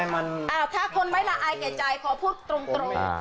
อ้าวถ้าคนไม่ละอายเกียจใจพอพูดตรง